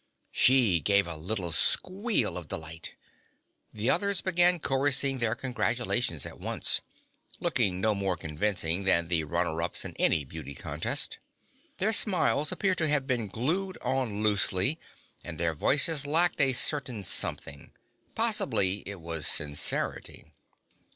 She gave a little squeal of delight. The others began chorusing their congratulations at once, looking no more convincing than the runners up in any beauty contest. Their smiles appeared to have been glued on loosely, and their voices lacked a certain something. Possibly it was sincerity.